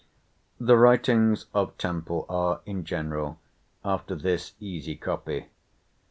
The writings of Temple are, in general, after this easy copy.